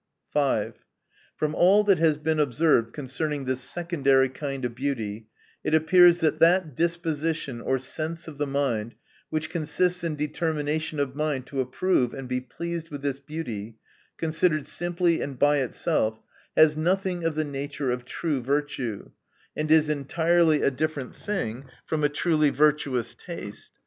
5. From all that has been observed concerning this secondary kind of beauty, it appears that that disposition or sense of the mind, which consists in determin ation of mind to. approve and be pleased with this beauty, considered simply and by itself, has nothing of the nature of true virtue, and is entirely a different thing from a truly virtuous taste.